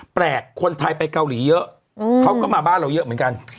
แปลกคนไทยไปเกาหลีเยอะเขาก็มาบ้านเราเยอะเหมือนกัน